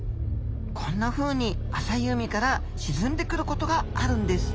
こんなふうに浅い海から沈んでくることがあるんです。